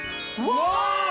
うわ！